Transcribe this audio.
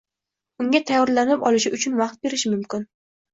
unga tayyorlanib olishi uchun vaqt berish mumkin.